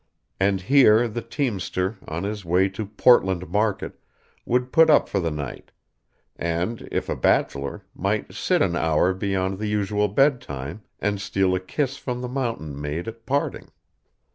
And here the teamster, on his way to Portland market, would put up for the night; and, if a bachelor, might sit an hour beyond the usual bedtime, and steal a kiss from the mountain maid at parting.